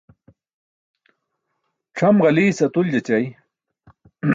Cʰam ġaliis atuljaćay.